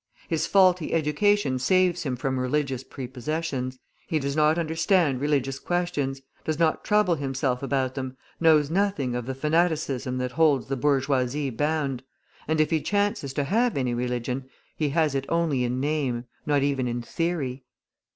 His faulty education saves him from religious prepossessions, he does not understand religious questions, does not trouble himself about them, knows nothing of the fanaticism that holds the bourgeoisie bound; and if he chances to have any religion, he has it only in name, not even in theory.